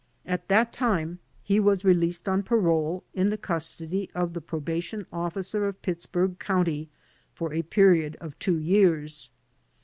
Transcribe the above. At that time he was released on parole in the custody of the probation officer of Pittsburgh County for a period of two years.